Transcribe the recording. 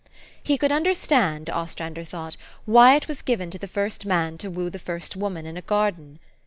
lie could understand, Ostrander thought, why i* was given to the first man to woo the first woman in a garden.